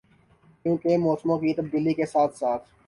کیونکہ موسموں کی تبدیلی کے ساتھ ساتھ